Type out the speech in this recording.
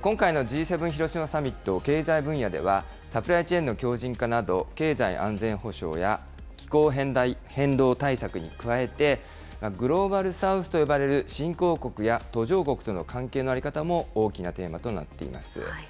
今回のＧ７広島サミット経済分野では、サプライチェーンの強じん化など経済安全保障や、気候変動対策に加えて、グローバル・サウスと呼ばれる新興国や途上国との関係の在り方も大きなテーマとなっています。